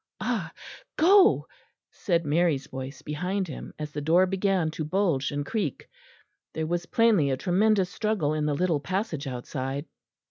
"Ah! go," said Mary's voice behind him, as the door began to bulge and creak. There was plainly a tremendous struggle in the little passage outside.